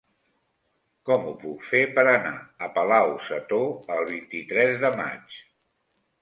Com ho puc fer per anar a Palau-sator el vint-i-tres de maig?